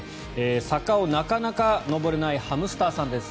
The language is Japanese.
坂をなかなか上れないハムスターさんです。